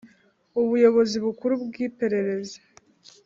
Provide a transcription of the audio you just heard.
Ubuyobozi bukuru bw iperereza